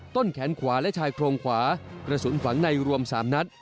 ต้นแขนขวาและชายโครงขวากระสุนฝังในรวม๓นัด